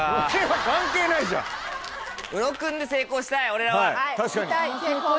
俺らは。